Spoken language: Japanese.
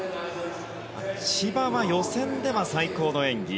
千葉は予選では最高の演技。